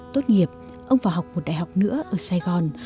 tốt nghiệp ông vào học một đại học nữa ở sài gòn